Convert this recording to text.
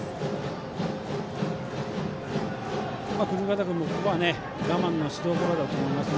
國方君もここは我慢のしどころだと思います。